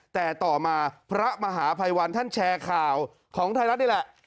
แต่ต่อมาพระมหาภัยวันท่านแชร์ข่าวของไทยรัฐนี่แหละ